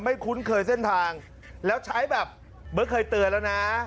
ไม่คุ้นเคยเส้นทางแล้วใช้แบบเมื่อเคยเตือนละนะ